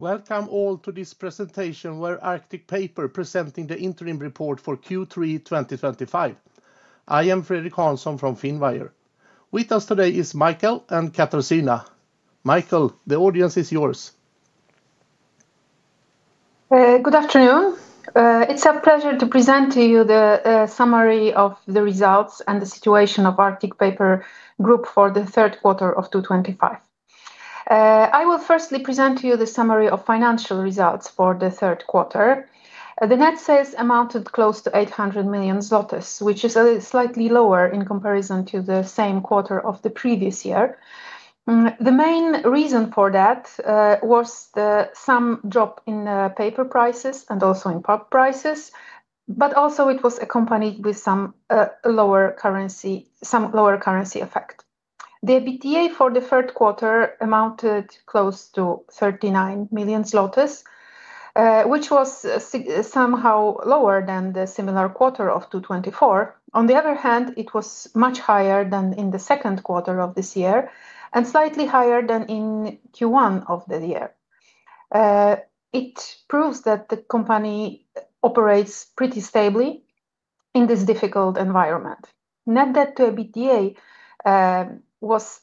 Welcome all to this presentation where Arctic Paper is presenting the interim report for Q3 2025. I am Fredrik Hansson from Finwire. With us today are Michał and Katarzyna. Michał, the audience is yours. Good afternoon. It's a pleasure to present to you the summary of the results and the situation of Arctic Paper Group for the third quarter of 2025. I will firstly present to you the summary of financial results for the third quarter. The net sales amounted close to 800 million zlotys, which is slightly lower in comparison to the same quarter of the previous year. The main reason for that was the some drop in paper prices and also in pulp prices, but also it was accompanied by some lower currency effect. The EBITDA for the third quarter amounted close to 39 million zlotys, which was somehow lower than the similar quarter of 2024. On the other hand, it was much higher than in the second quarter of this year and slightly higher than in Q1 of the year. It proves that the company operates pretty stably in this difficult environment. Net debt to EBITDA was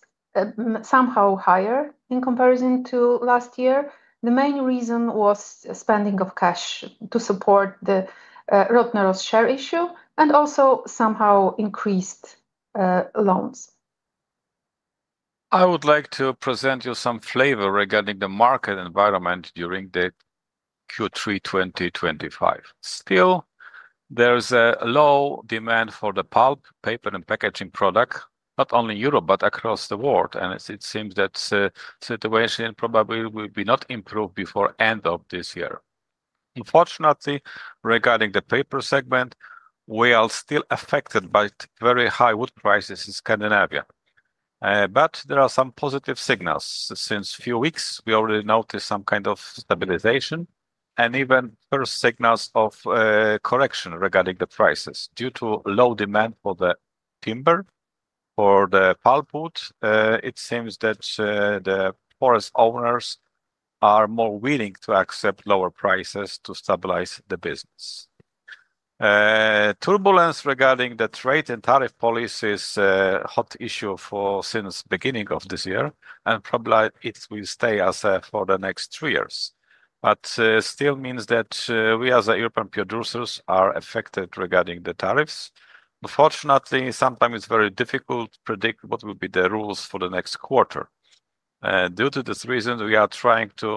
somehow higher in comparison to last year. The main reason was spending of cash to support the Rottneros share issue and also somehow increased loans. I would like to present you some flavor regarding the market environment during Q3 2025. Still, there's a low demand for the pulp, paper, and packaging product, not only in Europe but across the world, and it seems that the situation probably will not improve before the end of this year. Unfortunately, regarding the paper segment, we are still affected by very high wood prices in Scandinavia. There are some positive signals. Since a few weeks, we already noticed some kind of stabilization and even first signals of correction regarding the prices due to low demand for the timber, for the pulp wood. It seems that the forest owners are more willing to accept lower prices to stabilize the business. Turbulence regarding the trade and tariff policy is a hot issue since the beginning of this year and probably it will stay as for the next three years. It still means that we as European producers are affected regarding the tariffs. Unfortunately, sometimes it's very difficult to predict what will be the rules for the next quarter. Due to this reason, we are trying to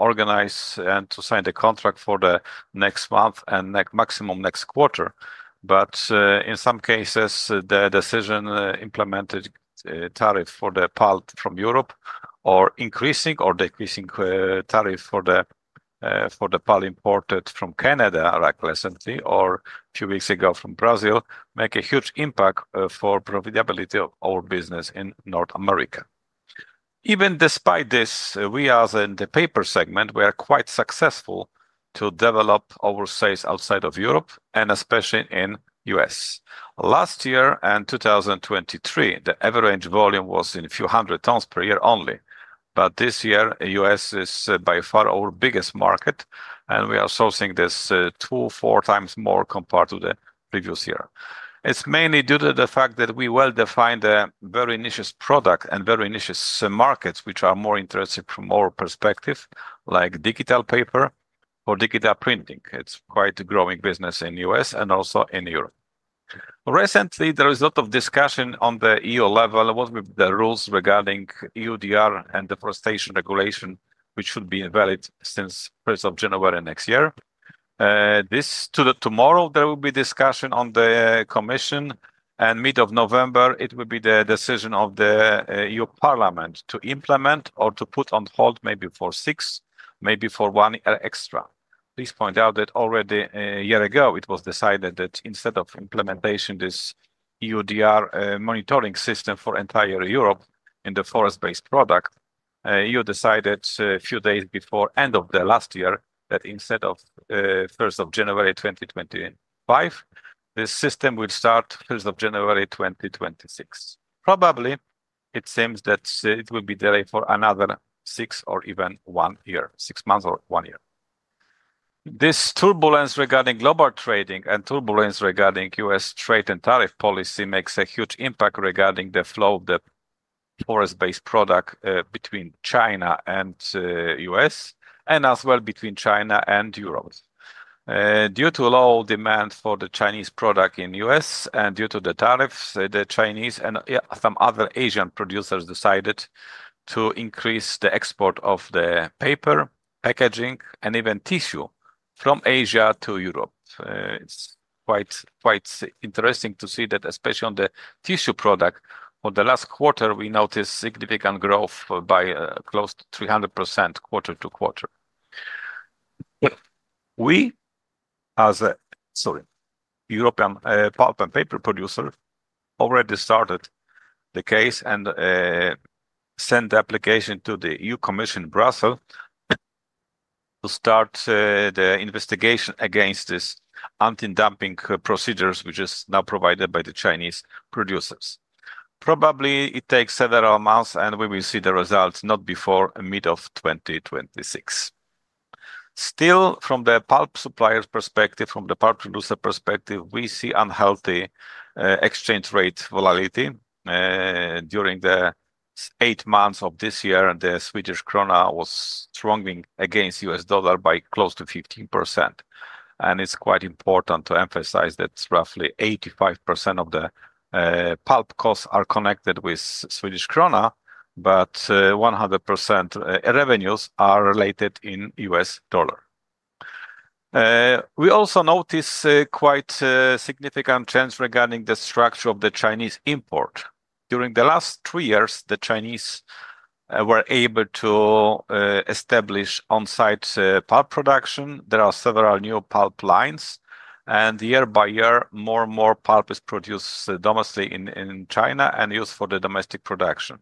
organize and to sign the contract for the next month and maximum next quarter. In some cases, the decision implemented tariff for the pulp from Europe or increasing or decreasing tariff for the pulp imported from Canada recklessly or a few weeks ago from Brazil makes a huge impact on the profitability of our business in North America. Even despite this, we as in the paper segment, we are quite successful to develop our sales outside of Europe and especially in the U.S. Last year and 2023, the average volume was in a few hundred tons per year only. This year, the U.S. is by far our biggest market, and we are sourcing this two, four times more compared to the previous year. It's mainly due to the fact that we well-defined a very niche product and very niche markets, which are more interesting from our perspective, like digital paper or digital printing. It's quite a growing business in the U.S. and also in Europe. Recently, there is a lot of discussion on the EU level what will be the rules regarding EUDR and deforestation regulation, which should be invalid since the 1st of January next year. This to tomorrow, there will be discussion on the commission, and mid-November, it will be the decision of the EU Parliament to implement or to put on hold maybe for six, maybe for one extra. Please point out that already a year ago, it was decided that instead of implementing this EUDR monitoring system for entire Europe in the forest-based product, EU decided a few days before the end of last year that instead of 1st of January 2025, this system will start 1st of January 2026. Probably, it seems that it will be delayed for another six or even one year, six months or one year. This turbulence regarding global trading and turbulence regarding U.S. trade and tariff policy makes a huge impact regarding the flow of the forest-based product between China and the U.S. and as well between China and Europe. Due to low demand for the Chinese product in the U.S. and due to the tariffs, the Chinese and some other Asian producers decided to increase the export of the paper, packaging, and even tissue from Asia to Europe. It's quite interesting to see that, especially on the tissue product, for the last quarter, we noticed significant growth by close to 300% quarter-to-quarter. We, as a, sorry, European pulp and paper producer, already started the case and sent the application to the EU Commission in Brussels to start the investigation against these anti-dumping procedures, which are now provided by the Chinese producers. Probably, it takes several months, and we will see the results not before mid-2026. Still, from the pulp supplier perspective, from the pulp producer perspective, we see unhealthy exchange rate volatility. During the eight months of this year, the Swedish krona was strong against the U.S. dollar by close to 15%. It's quite important to emphasize that roughly 85% of the pulp costs are connected with the Swedish krona, but 100% revenues are related in U.S. dollar. We also notice quite a significant change regarding the structure of the Chinese import. During the last three years, the Chinese were able to establish on-site pulp production. There are several new pulp lines, and year by year, more and more pulp is produced domestically in China and used for the domestic production.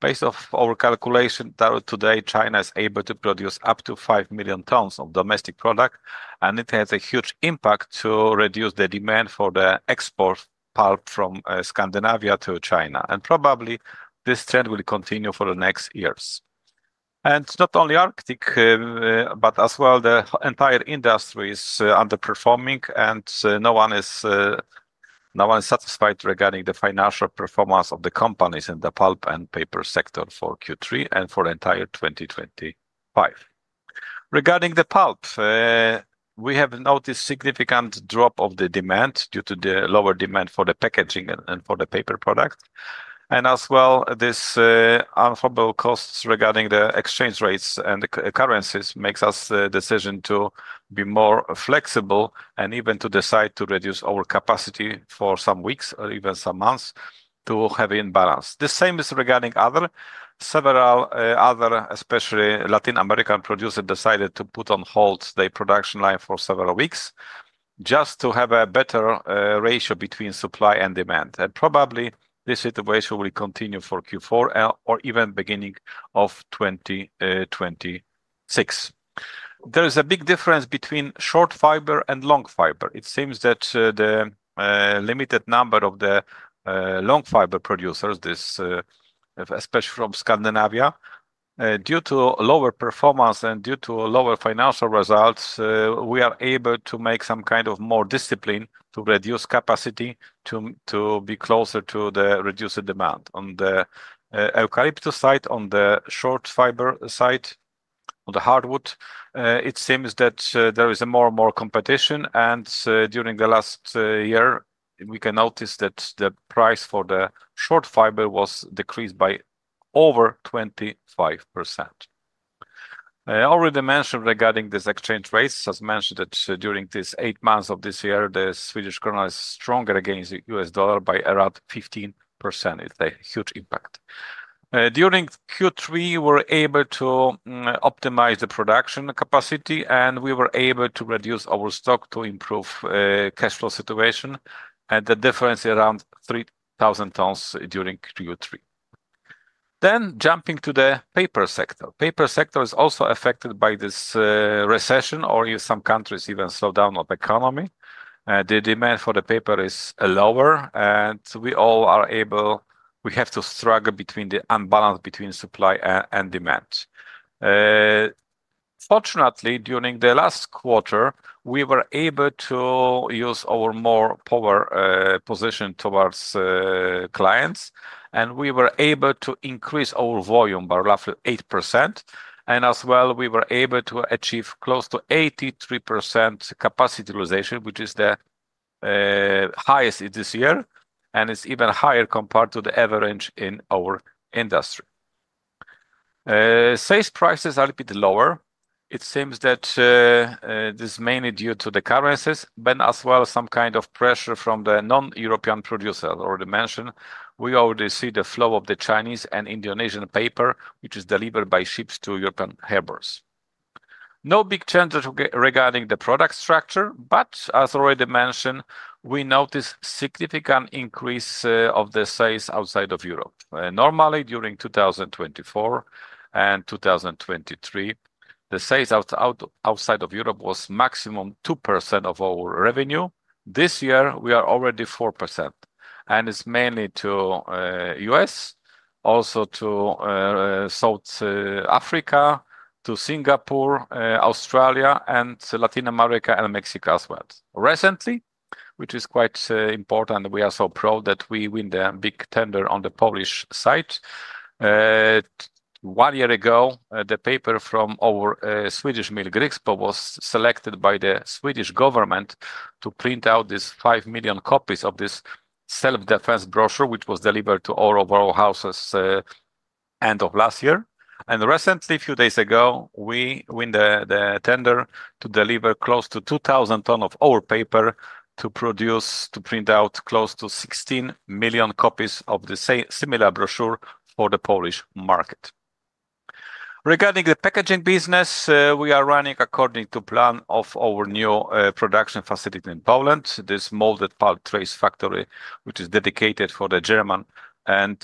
Based on our calculation today, China is able to produce up to 5 million tons of domestic product, and it has a huge impact to reduce the demand for the export pulp from Scandinavia to China. Probably, this trend will continue for the next years. Not only Arctic, but as well, the entire industry is underperforming, and no one is satisfied regarding the financial performance of the companies in the pulp and paper sector for Q3 and for the entire 2025. Regarding the pulp. We have noticed a significant drop of the demand due to the lower demand for the packaging and for the paper product. As well, this unfavorable costs regarding the exchange rates and the currencies make us decide to be more flexible and even to decide to reduce our capacity for some weeks or even some months to have in balance. The same is regarding several other, especially Latin American producers, who decided to put on hold their production line for several weeks just to have a better ratio between supply and demand. Probably, this situation will continue for Q4 or even the beginning of 2026. There is a big difference between short fiber and long fiber. It seems that the limited number of the long fiber producers, especially from Scandinavia. Due to lower performance and due to lower financial results, we are able to make some kind of more discipline to reduce capacity to be closer to the reduced demand. On the eucalyptus side, on the short fiber side, on the hardwood, it seems that there is more and more competition. During the last year, we can notice that the price for the short fiber was decreased by over 25%. I already mentioned regarding these exchange rates. As mentioned, during these eight months of this year, the Swedish krona is stronger against the U.S. dollar by around 15%. It's a huge impact. During Q3, we were able to optimize the production capacity, and we were able to reduce our stock to improve cash flow situation and the difference around 3,000 tons during Q3. Jumping to the paper sector, the paper sector is also affected by this recession or in some countries, even slowdown of the economy. The demand for the paper is lower, and we all are able to struggle between the unbalance between supply and demand. Fortunately, during the last quarter, we were able to use our more power position towards clients, and we were able to increase our volume by roughly 8%. As well, we were able to achieve close to 83% capacity utilization, which is the highest in this year, and it's even higher compared to the average in our industry. Sales prices are a bit lower. It seems that this is mainly due to the currencies, but as well, some kind of pressure from the non-European producers already mentioned. We already see the flow of the Chinese and Indonesian paper, which is delivered by ships to European harbors. No big change regarding the product structure, but as already mentioned, we noticed a significant increase of the sales outside of Europe. Normally, during 2024 and 2023, the sales outside of Europe was a maximum of 2% of our revenue. This year, we are already at 4%, and it is mainly to the U.S., also to South Africa, to Singapore, Australia, and Latin America and Mexico as well. Recently, which is quite important, we are so proud that we win the big tender on the Polish side. One year ago, the paper from our Swedish mill, Grycksbo, was selected by the Swedish government to print out these 5 million copies of this self-defense brochure, which was delivered to all of our houses. End of last year. Recently, a few days ago, we won the tender to deliver close to 2,000 tons of our paper to produce, to print out close to 16 million copies of the similar brochure for the Polish market. Regarding the packaging business, we are running according to the plan of our new production facility in Poland, this molded pulp trays factory, which is dedicated to the German and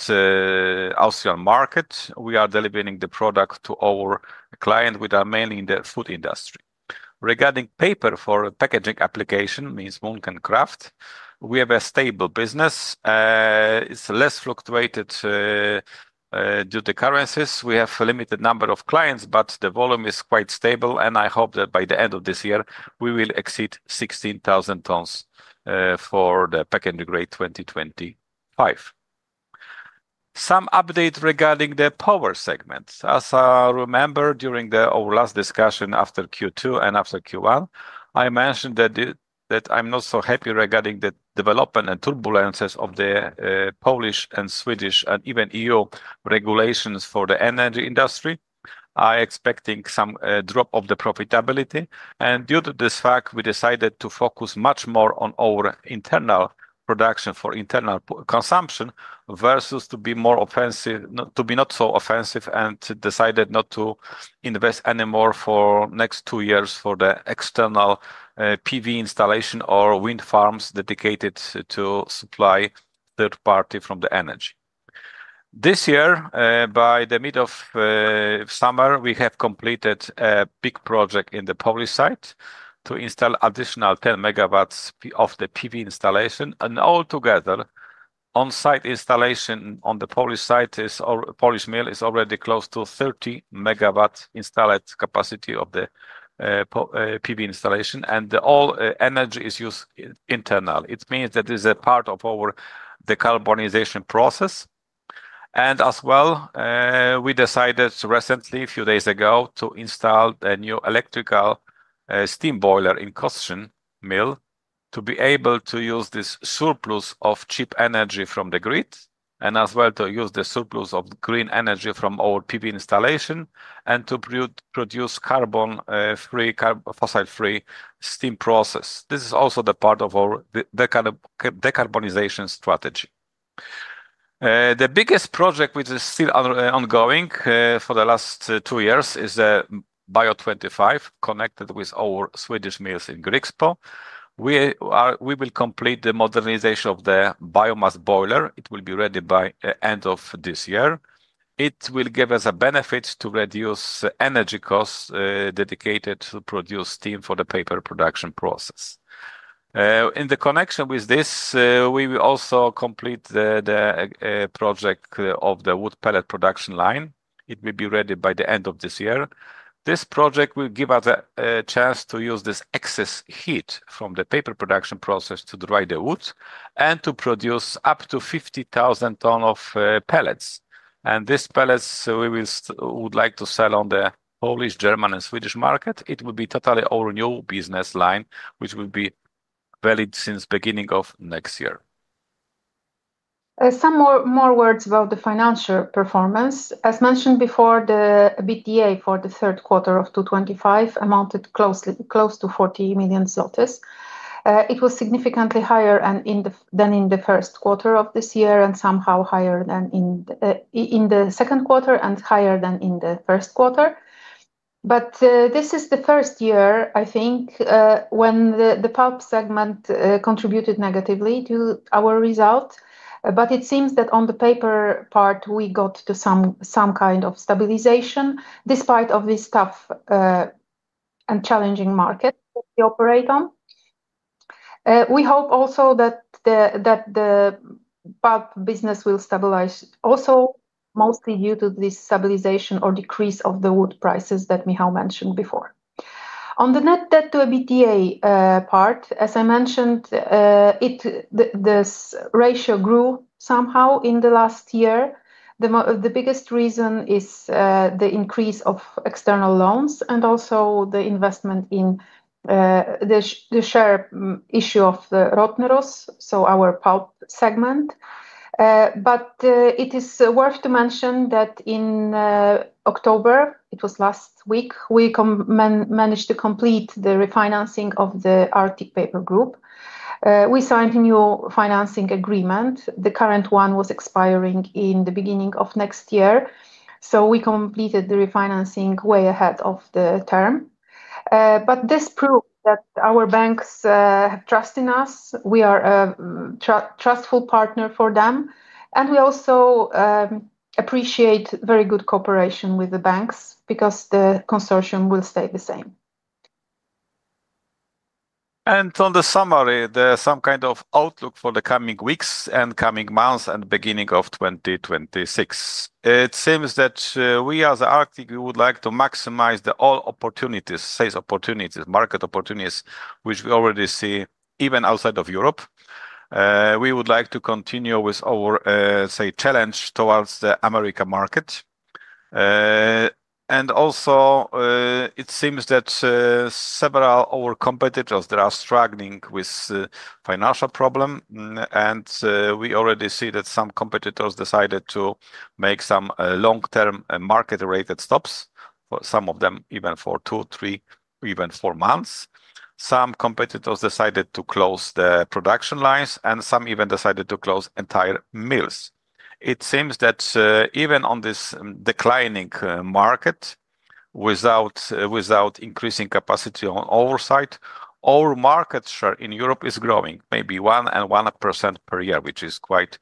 Austrian market. We are delivering the product to our clients, which are mainly in the food industry. Regarding paper for packaging application, it means Munken Kraft. We have a stable business. It is less fluctuated due to the currencies. We have a limited number of clients, but the volume is quite stable, and I hope that by the end of this year, we will exceed 16,000 tons for the packaging rate 2025. Some updates regarding the power segment. As I remember, during our last discussion after Q2 and after Q1, I mentioned that I'm not so happy regarding the development and turbulences of the Polish and Swedish, and even EU regulations for the energy industry. I'm expecting some drop of the profitability. Due to this fact, we decided to focus much more on our internal production for internal consumption versus to be more offensive, to be not so offensive, and decided not to invest anymore for the next two years for the external. PV installation or wind farms dedicated to supply third party from the energy. This year, by the middle of summer, we have completed a big project in the Polish site to install an additional 10 MW of the PV installation. Altogether, on-site installation on the Polish site is, or Polish mill, is already close to 30 MW installed capacity of the PV installation, and all energy is used internally. It means that it's a part of our decarbonization process. As well, we decided recently, a few days ago, to install a new electrical steam boiler in Kostrzyń mill to be able to use this surplus of cheap energy from the grid, and as well to use the surplus of green energy from our PV installation, and to produce carbon-free, fossil-free steam process. This is also part of our decarbonization strategy. The biggest project, which is still ongoing for the last two years, is BIO 25, connected with our Swedish mills in Grycksbo. We will complete the modernization of the biomass boiler. It will be ready by the end of this year. It will give us a benefit to reduce energy costs dedicated to produce steam for the paper production process. In connection with this, we will also complete the project of the wood pellet production line. It will be ready by the end of this year. This project will give us a chance to use this excess heat from the paper production process to dry the wood and to produce up to 50,000 tons of pellets. These pellets, we would like to sell on the Polish, German, and Swedish market. It will be totally our new business line, which will be valid since the beginning of next year. Some more words about the financial performance. As mentioned before, the EBITDA for the third quarter of 2025 amounted close to 40 million zlotys. It was significantly higher than in the first quarter of this year and somehow higher than in the second quarter and higher than in the first quarter. This is the first year, I think. When the pulp segment contributed negatively to our result. It seems that on the paper part, we got to some kind of stabilization despite this tough and challenging market we operate on. We hope also that the pulp business will stabilize also, mostly due to this stabilization or decrease of the wood prices that Michał mentioned before. On the net debt to EBITDA part, as I mentioned, this ratio grew somehow in the last year. The biggest reason is the increase of external loans and also the investment in the share issue of Rottneros, so our pulp segment. It is worth to mention that in October, it was last week, we managed to complete the refinancing of the Arctic Paper Group. We signed a new financing agreement. The current one was expiring in the beginning of next year. We completed the refinancing way ahead of the term. This proves that our banks have trust in us. We are a trustful partner for them. We also appreciate very good cooperation with the banks because the consortium will stay the same. On the summary, there is some kind of outlook for the coming weeks and coming months and beginning of 2026. It seems that we as Arctic Paper would like to maximize all opportunities, sales opportunities, market opportunities, which we already see even outside of Europe. We would like to continue with our challenge towards the American market. It seems that several of our competitors are struggling with financial problems. We already see that some competitors decided to make some long-term market-related stops, for some of them even for two, three, even four months. Some competitors decided to close the production lines, and some even decided to close entire mills. It seems that even on this declining market, without increasing capacity on our side, our market share in Europe is growing maybe 1% and 1% per year, which is quite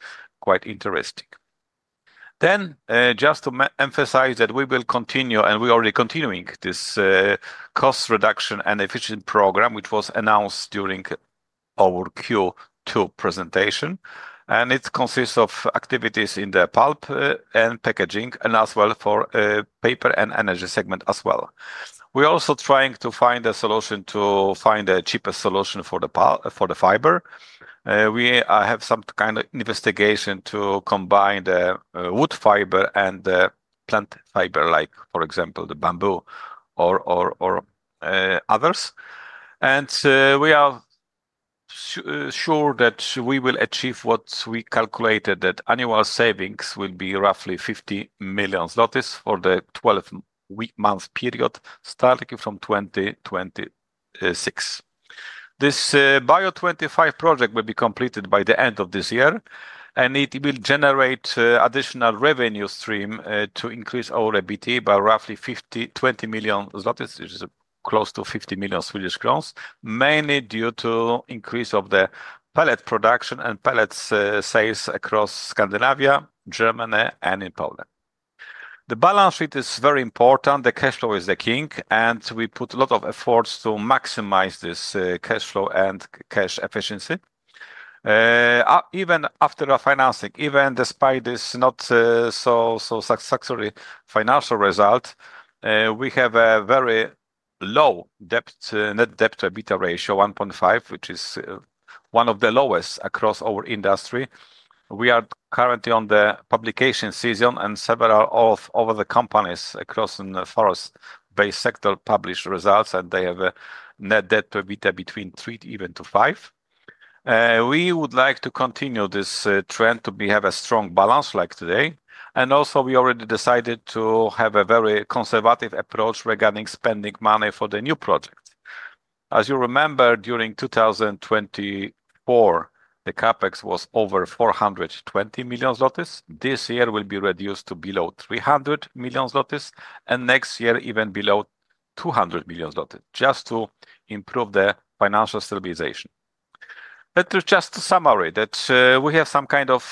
interesting. Just to emphasize that we will continue, and we are already continuing this cost reduction and efficiency program, which was announced during our Q2 presentation. It consists of activities in the pulp and packaging, and as well for paper and energy segment as well. We are also trying to find a solution to find a cheaper solution for the fiber. We have some kind of investigation to combine the wood fiber and the plant fiber, like, for example, the bamboo or others. We are sure that we will achieve what we calculated, that annual savings will be roughly 50 million zlotys for the 12-month period starting from 2026. This BIO 25 project will be completed by the end of this year, and it will generate an additional revenue stream to increase our EBIT by roughly 20 million zlotys, which is close to 50 million Swedish crowns, mainly due to the increase of the pellet production and pellet sales across Scandinavia, Germany, and in Poland. The balance sheet is very important. The cash flow is the king, and we put a lot of efforts to maximize this cash flow and cash efficiency. Even after our financing, even despite this not so successful financial result. We have a very low net debt to EBITDA ratio, 1.5x, which is one of the lowest across our industry. We are currently on the publication season, and several of the companies across the forest-based sector published results, and they have a net debt to EBITDA between 3x, even to 5x. We would like to continue this trend to have a strong balance like today. We already decided to have a very conservative approach regarding spending money for the new project. As you remember, during 2024, the CapEx was over 420 million zlotys. This year will be reduced to below 300 million zlotys, and next year even below 200 million zlotys, just to improve the financial stabilization. Let's just summarize that we have some kind of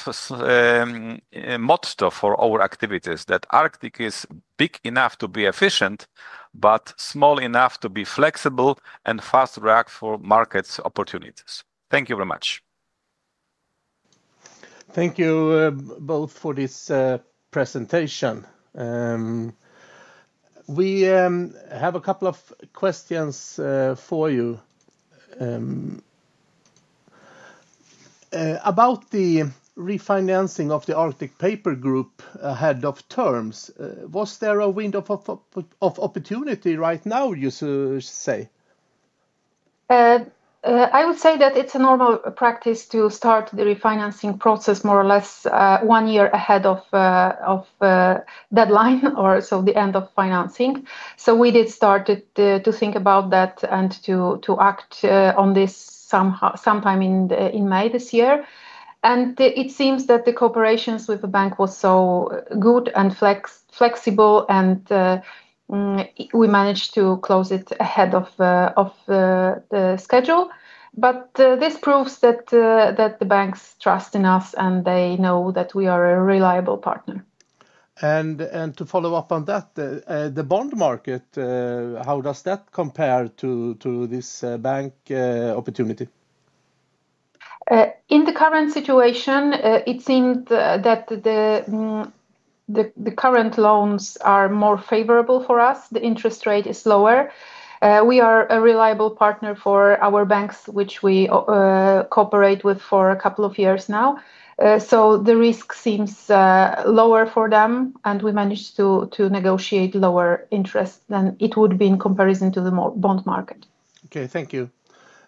motto for our activities, that Arctic is big enough to be efficient, but small enough to be flexible and fast to react for market opportunities. Thank you very much. Thank you both for this presentation. We have a couple of questions for you. About the refinancing of the Arctic Paper Group ahead of terms, was there a window of opportunity right now, you should say? I would say that it's a normal practice to start the refinancing process more or less one year ahead of deadline or the end of financing. We did start to think about that and to act on this sometime in May this year. It seems that the cooperation with the bank was so good and flexible, and we managed to close it ahead of the schedule. This proves that the banks trust in us, and they know that we are a reliable partner. To follow up on that, the bond market, how does that compare to this bank opportunity? In the current situation, it seemed that the current loans are more favorable for us. The interest rate is lower. We are a reliable partner for our banks, which we cooperate with for a couple of years now. The risk seems lower for them, and we managed to negotiate lower interest than it would be in comparison to the bond market. Okay, thank you.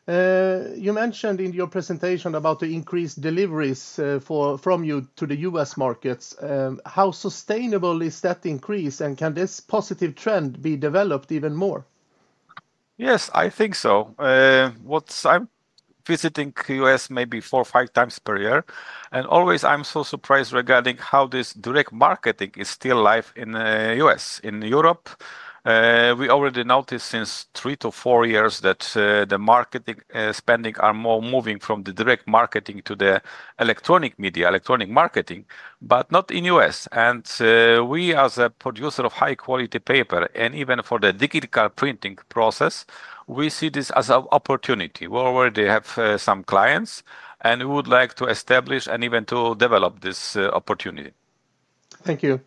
You mentioned in your presentation about the increased deliveries from you to the U.S. markets. How sustainable is that increase, and can this positive trend be developed even more? Yes, I think so. I'm visiting the U.S. maybe four or five times per year. Always, I'm so surprised regarding how this direct marketing is still alive in the U.S. In Europe, we already noticed since three to four years that the marketing spending is more moving from the direct marketing to the electronic media, electronic marketing, but not in the U.S. We, as a producer of high-quality paper, and even for the digital printing process, we see this as an opportunity. We already have some clients, and we would like to establish and even to develop this opportunity. Thank you.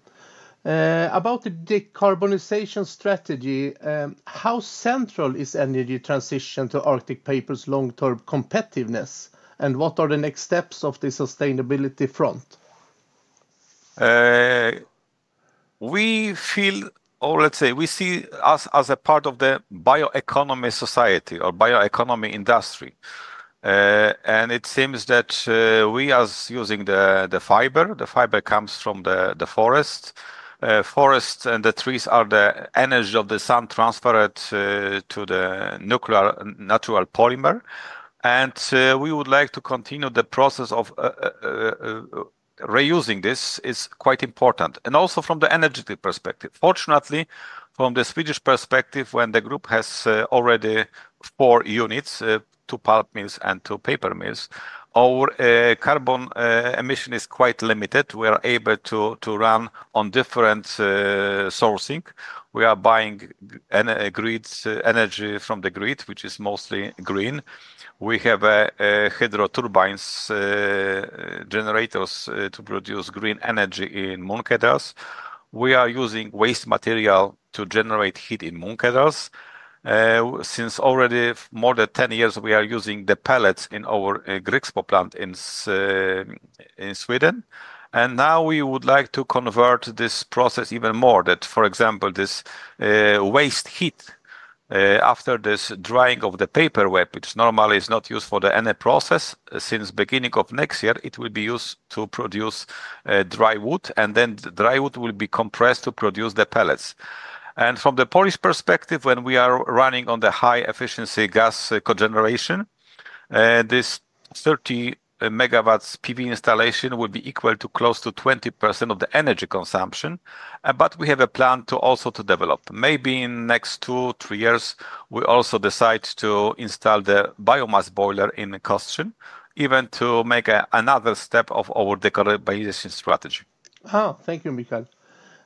About the decarbonization strategy, how central is the energy transition to Arctic Paper's long-term competitiveness, and what are the next steps on the sustainability front? We feel, or let's say, we see us as a part of the bioeconomy society or bioeconomy industry. It seems that we are using the fiber. The fiber comes from the forest. Forests and the trees are the energy of the sun transferred to the nuclear natural polymer. We would like to continue the process of reusing this. It is quite important. Also from the energy perspective. Fortunately, from the Swedish perspective, when the group has already four units, two pulp mills and two paper mills, our carbon emission is quite limited. We are able to run on different sourcing. We are buying grid energy from the grid, which is mostly green. We have hydro turbines, generators to produce green energy in Munkedal. We are using waste material to generate heat in Munkedal. Since already more than 10 years, we are using the pellets in our Grycksbo plant in Sweden. Now we would like to convert this process even more, that, for example, this waste heat after this drying of the paper web, which normally is not used for the NA process, since the beginning of next year, it will be used to produce dry wood, and then the dry wood will be compressed to produce the pellets. From the Polish perspective, when we are running on the high-efficiency gas cogeneration, this 30 MW PV installation will be equal to close to 20% of the energy consumption. We have a plan to also develop. Maybe in the next two or three years, we also decide to install the biomass boiler in Kostrzyń, even to make another step of our decarbonization strategy. Oh, thank you, Michał.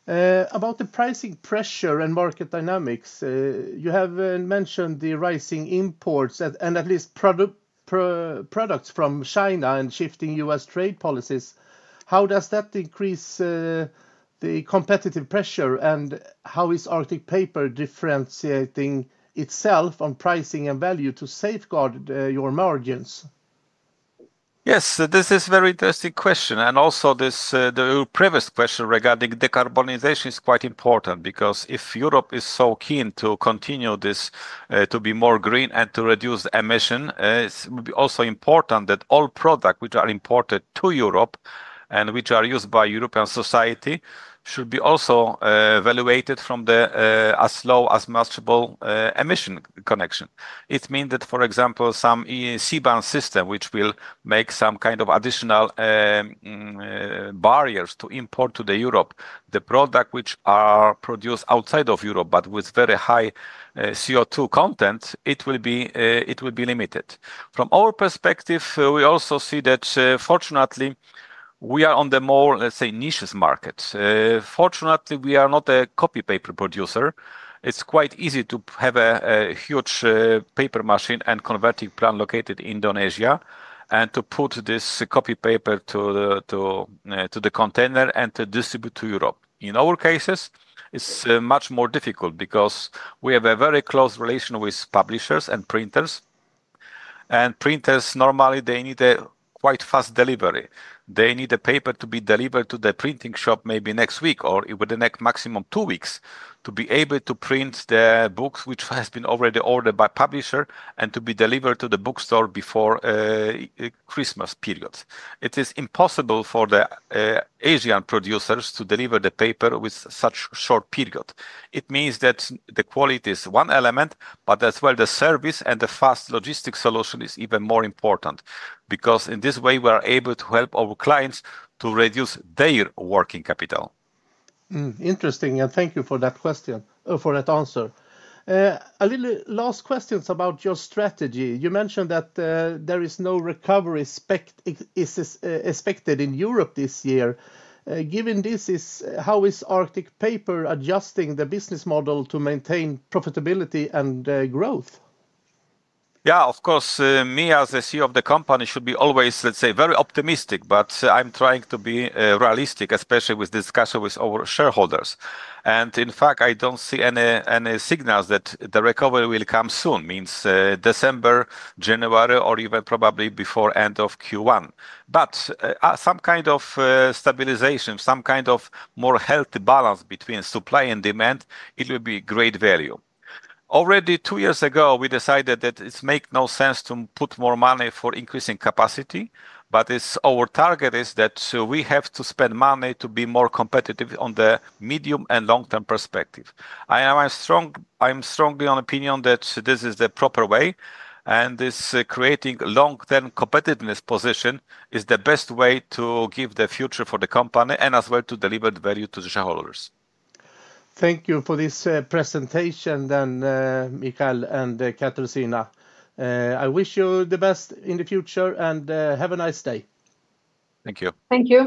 About the pricing pressure and market dynamics, you have mentioned the rising imports and at least products from China and shifting U.S. trade policies. How does that increase the competitive pressure, and how is Arctic Paper differentiating itself on pricing and value to safeguard your margins? Yes, this is a very interesting question. The previous question regarding decarbonization is quite important because if Europe is so keen to continue this to be more green and to reduce emission, it would be also important that all products which are imported to Europe and which are used by European society should be also evaluated from the as low as possible emission connection. It means that, for example, some CBAM system, which will make some kind of additional barriers to import to Europe, the products which are produced outside of Europe but with very high CO2 content, it will be limited. From our perspective, we also see that, fortunately, we are on the more, let's say, niche market. Fortunately, we are not a copy paper producer. It's quite easy to have a huge paper machine and converting plant located in Indonesia and to put this copy paper to the container and to distribute to Europe. In our cases, it's much more difficult because we have a very close relation with publishers and printers. Printers, normally, they need a quite fast delivery. They need the paper to be delivered to the printing shop maybe next week or within the next maximum two weeks to be able to print the books, which have been already ordered by publisher, and to be delivered to the bookstore before Christmas period. It is impossible for the Asian producers to deliver the paper with such a short period. It means that the quality is one element, but as well, the service and the fast logistics solution is even more important because in this way, we are able to help our clients to reduce their working capital. Interesting, and thank you for that question, for that answer. A little last question about your strategy. You mentioned that there is no recovery expected in Europe this year. Given this, how is Arctic Paper adjusting the business model to maintain profitability and growth? Yeah, of course, me as the CEO of the company should be always, let's say, very optimistic, but I'm trying to be realistic, especially with discussions with our shareholders. In fact, I don't see any signals that the recovery will come soon, means December, January, or even probably before the end of Q1. Some kind of stabilization, some kind of more healthy balance between supply and demand, it will be great value. Already two years ago, we decided that it makes no sense to put more money for increasing capacity, but our target is that we have to spend money to be more competitive on the medium and long-term perspective. I am strongly of the opinion that this is the proper way, and this creating long-term competitiveness position is the best way to give the future for the company and as well to deliver the value to the shareholders. Thank you for this presentation then, Michał and Katarzyna. I wish you the best in the future and have a nice day. Thank you. Thank you.